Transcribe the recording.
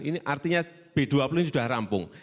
ini artinya b dua puluh ini sudah rampung